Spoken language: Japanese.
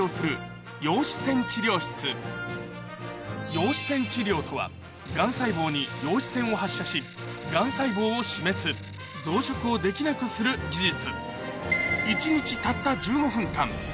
陽子線治療とはがん細胞に陽子線を発射しがん細胞を死滅増殖をできなくする技術